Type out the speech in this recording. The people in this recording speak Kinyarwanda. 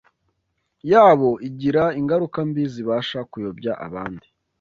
yabo igira ingaruka mbi zibasha kuyobya abandi